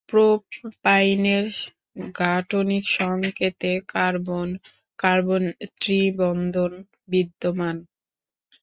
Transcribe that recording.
প্রোপাইনের গাঠনিক সংকেতে কার্বন-কার্বন ত্রিবন্ধন বিদ্যমান।